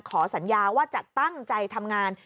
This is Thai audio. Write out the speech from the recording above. ขอสัญญาว่าจะตั้งใจทำงาน